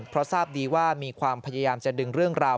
เพราะทราบดีว่ามีความพยายามจะดึงเรื่องราว